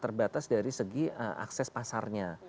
terbatas dari segi akses pasarnya